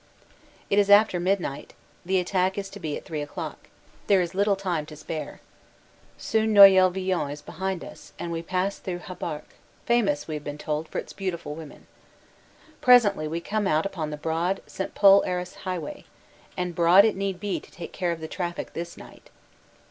It is after midnight; the attack is to be at three o clock; there is little time to spare. Soon Noyelle Vion is behind us and we pass through Habarcq, famous, we have been told, for its beautiful women. Presently we come out upon the broad St. Pol Arras highway; and broad it need be to take care of the traffic this night.